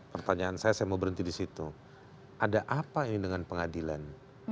pertanyaan saya saya mau berhenti di situ ada apa ini dengan pengadilan